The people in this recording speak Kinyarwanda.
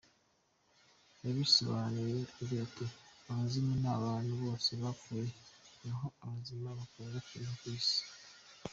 Yabisobanuye agira ati: “Abazimu ni abantu bose bapfuye, naho abazima bakaba abakiriho ku isi.